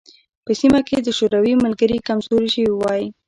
په سیمه کې د شوروي ملګري کمزوري شوي وای.